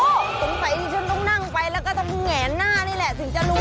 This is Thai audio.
ตรงไฟที่ฉันต้องนั่งไปแล้วก็จะมีแหงหน้านี่แหละถึงจะรู้